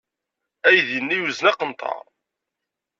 Aydi-nni yewzen aqenṭar.